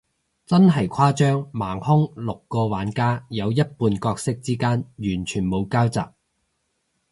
真係誇張，盲兇，六個玩家，有一半角色之間完全冇交集，